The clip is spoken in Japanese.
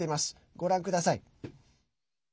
ご覧ください。